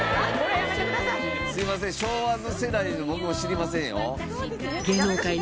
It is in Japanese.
すいません昭和の世代の僕も知りませんよ。